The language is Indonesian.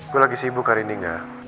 gue lagi sibuk hari ini